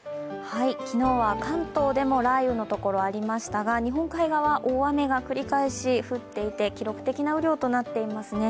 昨日は関東でも雷雨の所ありましたが日本海側、大雨が繰り返し降っていて記録的な雨量となっていますね。